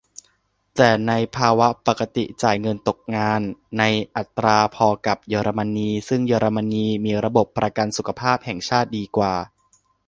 แต่ในภาวะปกติจ่ายเงินตกงานในอัตราพอกับเยอรมนี ซึ่งเยอรมนีมีระบบประกันสุขภาพแห่งชาติดีกว่า